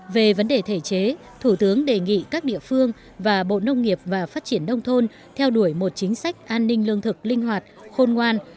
về vấn đề thể chế thủ tướng đề nghị các địa phương và bộ nông nghiệp và phát triển đông thôn theo đuổi một chính sách an ninh lương thực linh hoạt khôn ngoan